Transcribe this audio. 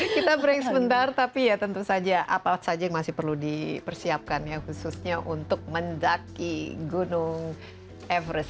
kita break sebentar tapi ya tentu saja apa saja yang masih perlu dipersiapkan ya khususnya untuk mendaki gunung everest